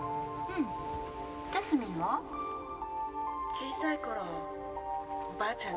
小さい頃おばあちゃん